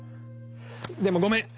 でもごめん。